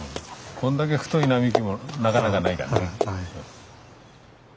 こんだけ太い並木もなかなかないからね。